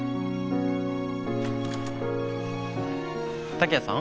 滝谷さん？